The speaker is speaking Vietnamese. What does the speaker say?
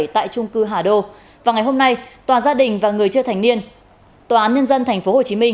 tại trung cư hà đô vào ngày hôm nay tòa gia đình và người chưa thành niên tòa án nhân dân tp hcm